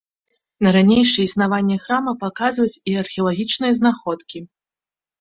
На ранейшае існаванне храма паказваюць і археалагічныя знаходкі.